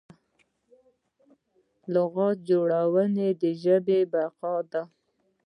لغت جوړول د ژبې بقا ده.